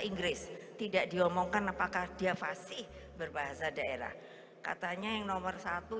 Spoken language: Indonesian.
inggris tidak diomongkan apakah dia fasih berbahasa daerah katanya yang nomor satu